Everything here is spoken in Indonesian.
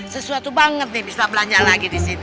sesuatu banget nih bisa belanja lagi disini